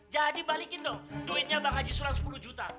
jadi balikin dong duitnya bang haji sulam sepuluh juta